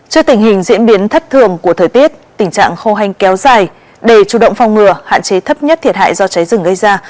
trước tình hình diễn biến thất thường của thời tiết tình trạng khô hanh kéo dài để chủ động phòng ngừa hạn chế thấp nhất thiệt hại do cháy rừng gây ra